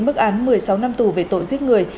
mức án một mươi sáu năm tù về tội giết người